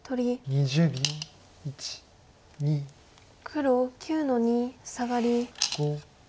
黒９の二サガリ。